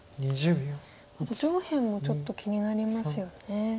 あと上辺もちょっと気になりますよね。